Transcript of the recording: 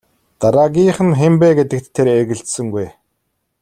Дараагийнх нь хэн бэ гэдэгт тэр эргэлзсэнгүй.